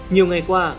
nhiều ngày qua